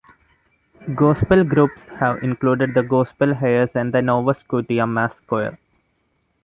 Gospel groups have included the Gospel Heirs and the Nova Scotia Mass Choir.